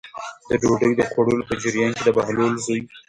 د ډوډۍ د خوړلو په جریان کې د بهلول زوی.